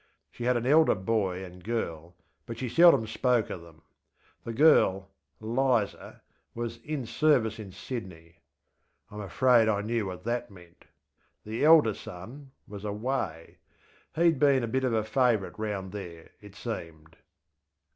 She had an elder boy and girl, but she seldom spoke of them. The girl, ŌĆśLizaŌĆÖ, was ŌĆśin service in Sydney.ŌĆÖ IŌĆÖm afraid I knew what that meant. The elder son was ŌĆÖawayŌĆÖ. He had been a bit of a favourite round there, it seemed.